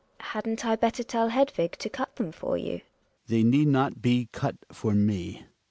Hadn't 1 better tell Hedvig to cut them for you ? Hjalmar. They need not be cut for me.